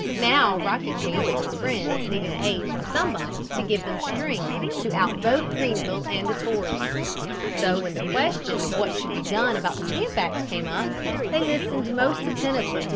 Now Rockingham and his friends needed aid from somebody to give them the strength to outvote Grenville and the Tories. So when the question of what should be done about the Stamp Act came up, they listened most attentively to what Mr. Pitt had to say.